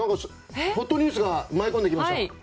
ホットニュースが舞い込んできました。